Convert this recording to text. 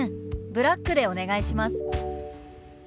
ブラックでお願いします」。